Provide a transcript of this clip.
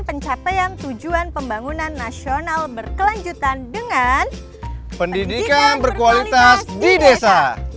dengan meningkatnya kualitas pendidikan warga desa